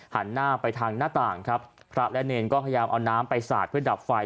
หันหน้าไปทางหน้าต่างครับพระและเนรก็พยายามเอาน้ำไปสาดเพื่อดับไฟ